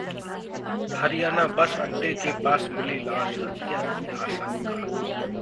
Haryana bus अड्डे के पास मिली लाश, हत्या की आशंका